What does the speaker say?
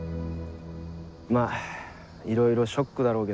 まぁいろいろショックだろうけど。